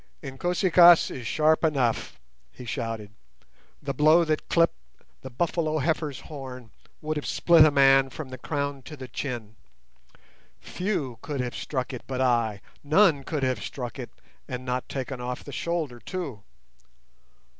"Inkosi kaas is sharp enough," he shouted; "the blow that clipped the 'buffalo heifer's' horn would have split a man from the crown to the chin. Few could have struck it but I; none could have struck it and not taken off the shoulder too.